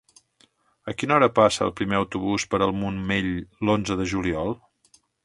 A quina hora passa el primer autobús per el Montmell l'onze de juliol?